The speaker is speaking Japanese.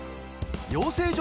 養成所